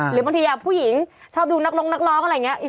หรือบางทีผู้หญิงชอบดูนักร้องนักร้องอะไรอย่างนี้